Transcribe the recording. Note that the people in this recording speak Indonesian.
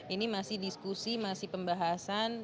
ini masih diskusi masih pembahasan